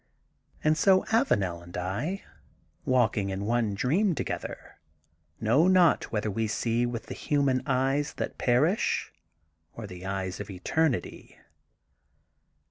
And so Avanel and I, walking in one dream together, know not whether we see with the human eyes that perish or the eyes of eternity.